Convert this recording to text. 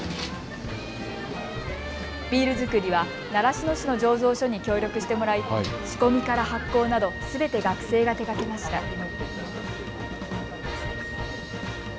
ビール造りは習志野市の醸造所に協力してもらい仕込みから発酵などすべて学生が手がけました。